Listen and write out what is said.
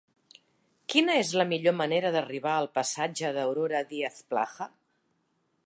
Quina és la millor manera d'arribar al passatge d'Aurora Díaz Plaja?